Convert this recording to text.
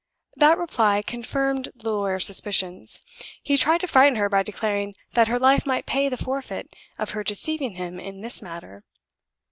That reply confirmed the lawyer's suspicions. He tried to frighten her by declaring that her life might pay the forfeit of her deceiving him in this matter.